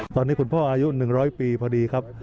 ตอนนี้คุณพ่ออายุ๑๐๐ปีพอดีครับ